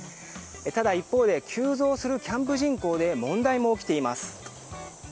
ただ一方で急増するキャンプ人口で問題も起きています。